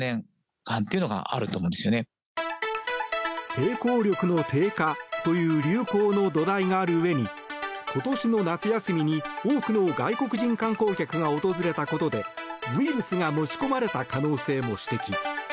抵抗力の低下という流行の土台があるうえに今年の夏休みに多くの外国人観光客が訪れたことでウイルスが持ち込まれた可能性も指摘。